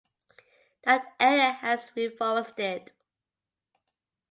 That area has reforested.